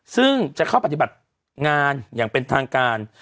ซึ่งจะเข้าปฏิบัติงานอย่างเป็นทางการ